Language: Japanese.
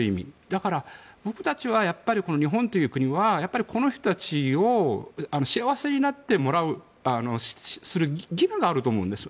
だから、僕たちはやっぱり日本という国はこの人たちを幸せにする義務があると思うんです。